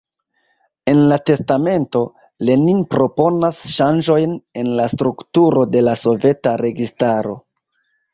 En la testamento, Lenin proponas ŝanĝojn en la strukturo de la soveta registaro.